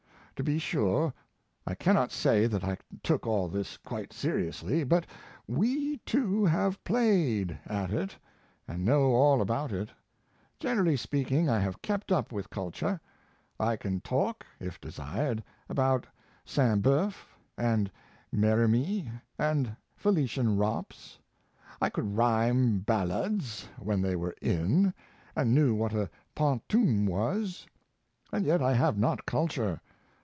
To be sure, I cannot say that I took all this quite seriously, but "we, too, have played" at it, and know all about it. Generally speaking, I have kept up with culture. I can talk (if desired) about Sainte Beuve, and Merimee, and Felicien Rops; I could rhyme "Ballades" when they were "in," and knew what a "pantoom" was.... And yet I have not culture.